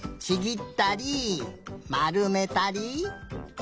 ちぎったりまるめたり。